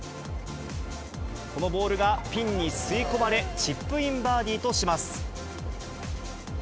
このボールがピンに吸い込まれ、チップインバーディーとします。